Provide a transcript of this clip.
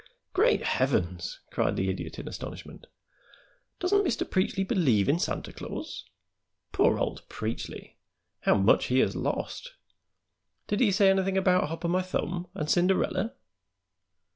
"Great heavens!" cried the Idiot, in astonishment. "Doesn't Dr. Preachly believe in Santa Claus? Poor old Preachly! How much he has lost! Did he say anything about Hop o' My Thumb and Cinderella?"